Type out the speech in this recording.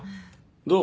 どう？